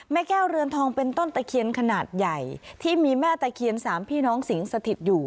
แก้วเรือนทองเป็นต้นตะเคียนขนาดใหญ่ที่มีแม่ตะเคียนสามพี่น้องสิงสถิตอยู่